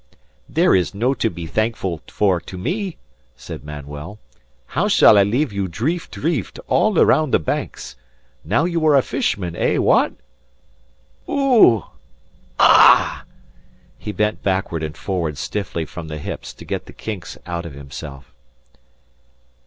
"There is no to be thankful for to me!" said Manuel. "How shall I leave you dreeft, dreeft all around the Banks? Now you are a fisherman eh, wha at? Ouh! Auh!" He bent backward and forward stiffly from the hips to get the kinks out of himself.